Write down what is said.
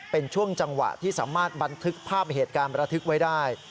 เป็นช่วงจังหวะที่สามารถบันทึกภาพเหตุการณ์ประทึกไว้ได้